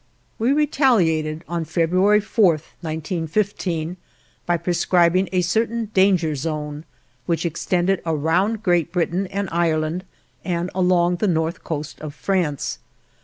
We retaliated on February 4, 1915, by prescribing a certain danger zone, which extended around Great Britain and Ireland and along the north coast of France.